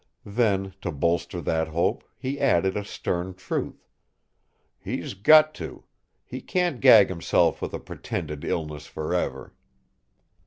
Then, to bolster that hope, he added a stern truth: "He's got to. He can't gag himself with a pretended illness forever!"